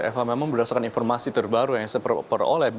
eva memang berdasarkan informasi terbaru yang saya peroleh